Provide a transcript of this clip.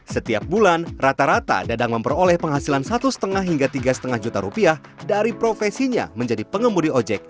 setiap bulan rata rata dadang memperoleh penghasilan satu lima hingga tiga lima juta rupiah dari profesinya menjadi pengemudi ojek